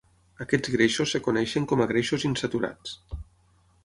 Aquests greixos es coneixen com a greixos insaturats.